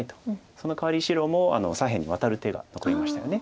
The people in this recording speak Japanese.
そのかわり白も左辺にワタる手が残りましたよね。